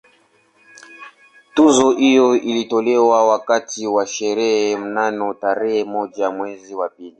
Tuzo hiyo ilitolewa wakati wa sherehe mnamo tarehe moja mwezi wa pili